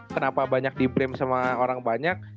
kenapa banyak di bram sama orang banyak